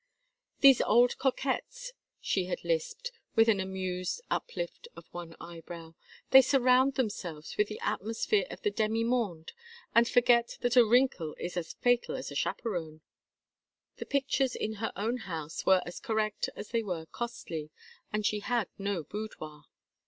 "These old coquettes," she had lisped, with an amused uplift of one eyebrow. "They surround themselves with the atmosphere of the demi monde and forget that a wrinkle is as fatal as a chaperon." The pictures in her own house were as correct as they were costly, and she had no boudoir.